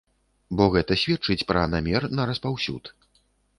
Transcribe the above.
Бо гэта сведчыць пра намер на распаўсюд.